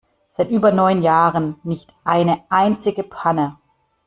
Seit über neun Jahren nicht eine einzige Panne.